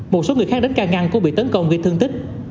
một số người khác đến ca ngăn cũng bị tấn công gây thương tích